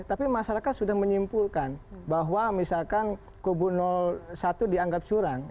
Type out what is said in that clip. tapi masyarakat sudah menyimpulkan bahwa misalkan kubu satu dianggap curang